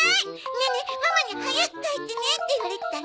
ネネママに早く帰ってねって言われてたんだ！